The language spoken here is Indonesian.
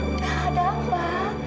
nggak ada apa